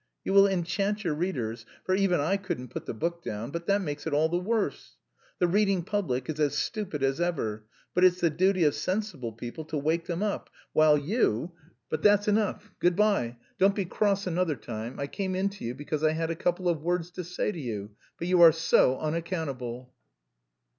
You will enchant your readers, for even I couldn't put the book down; but that makes it all the worse! The reading public is as stupid as ever, but it's the duty of sensible people to wake them up, while you... But that's enough. Good bye. Don't be cross another time; I came in to you because I had a couple of words to say to you, but you are so unaccountable..."